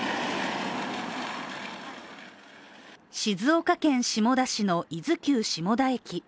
静岡県下田市の伊豆急下田駅。